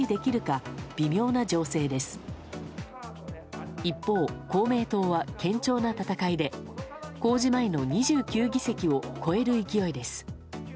一方、公明党は堅調な戦いで公示前の２９議席を超える勢いです。